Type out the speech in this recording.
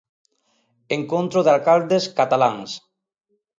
Encontro de alcaldes cataláns.